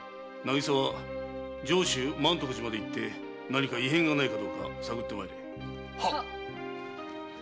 渚は上州満徳寺まで行って何か異変がないかどうか探ってまいれ。